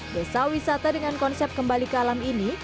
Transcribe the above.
desa wisata dengan konsep kembali ke alam ini